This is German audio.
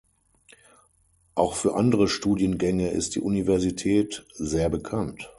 Auch für andere Studiengänge ist die Universität sehr bekannt.